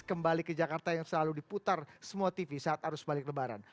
kembali ke jakarta yang selalu diputar semua tv saat arus balik lebaran